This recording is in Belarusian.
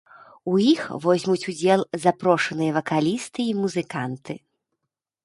У іх возьмуць удзел запрошаныя вакалісты і музыканты.